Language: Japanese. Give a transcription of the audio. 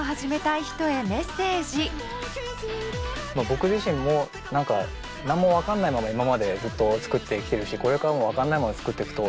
僕自身も何か何も分かんないまま今までずっと作ってきてるしこれからも分かんないものを作っていくと思います。